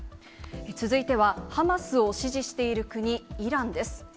続いては、ハマスを支持している国、イランです。